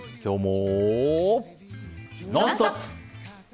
「ノンストップ！」。